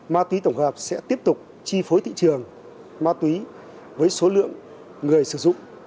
ma túy tổng hợp sẽ tiếp tục chi phối thị trường ma túy với số lượng người sử dụng